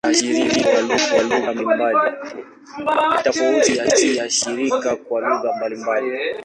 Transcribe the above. Tovuti ya shirika kwa lugha mbalimbali